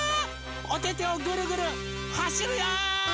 おててをぐるぐるはしるよ！